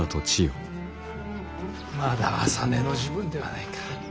・まだ朝寝の時分ではないか。